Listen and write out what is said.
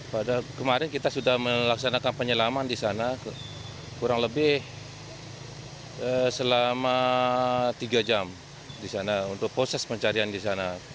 pada kemarin kita sudah melaksanakan penyelaman di sana kurang lebih selama tiga jam di sana untuk proses pencarian di sana